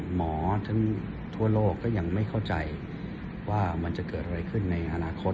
หมอทั้งทั่วโลกก็ยังไม่เข้าใจว่ามันจะเกิดอะไรขึ้นในอนาคต